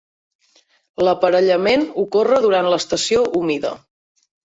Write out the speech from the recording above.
L'aparellament ocorre durant l'estació humida.